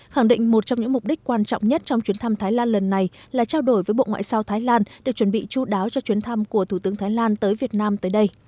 khẳng định một trong những mục đích quan trọng nhất trong chuyến thăm thái lan lần này là trao đổi với bộ ngoại giao thái lan được chuẩn bị chú đáo cho chuyến thăm của thủ tướng thái lan tới việt nam tới đây